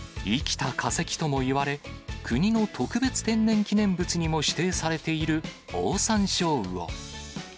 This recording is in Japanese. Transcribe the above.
生きた化石ともいわれ、国の特別天然記念物にも指定されているオオサンショウウオ。